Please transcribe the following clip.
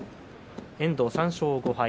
遠藤は３勝５敗。